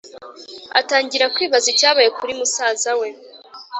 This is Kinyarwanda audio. atangira kwibaza icyabaye kuri musaza we,